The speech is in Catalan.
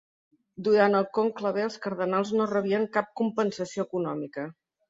Durant el conclave, els cardenals no rebien cap compensació econòmica.